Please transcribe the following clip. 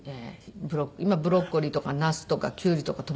今ブロッコリーとかナスとかキュウリとかトマト。